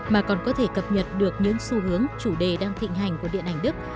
mà còn có thể cập nhật được những xu hướng chủ đề đang thịnh hành của điện ảnh đức